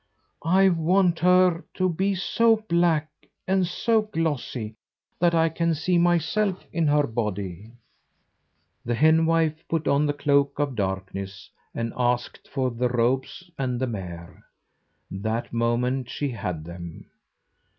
"I want her to be so black and so glossy that I can see myself in her body." The henwife put on the cloak of darkness, and asked for the robes and the mare. That moment she had them.